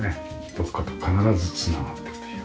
どこかと必ず繋がってという。